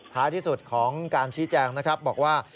ท้ายที่สุดของการชี้แจงนะครับบอกว่า